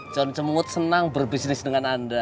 jon cemuut senang berbisnis dengan anda